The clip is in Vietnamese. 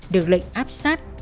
được lệnh áp sát